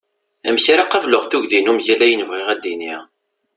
Amek ara qabeleɣ tugdi-inu mgal ayen bɣiɣ ad d-iniɣ?